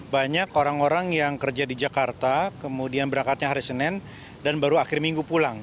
banyak orang orang yang kerja di jakarta kemudian berangkatnya hari senin dan baru akhir minggu pulang